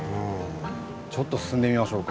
ちょっと進んでみましょうか。